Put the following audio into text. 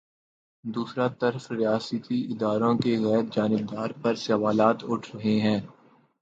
دوسری طرف ریاستی اداروں کی غیر جانب داری پر سوالات اٹھ رہے ہیں۔